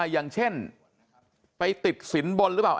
อย่างเช่นไปติดสินบนหรือเปล่า